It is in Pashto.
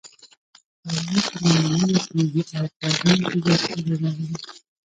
دا نور په نمونه لګیږي او په رنګ کې زیاتوالی راولي.